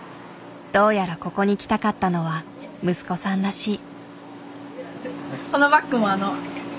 どうやらここに来たかったのは息子さんらしい。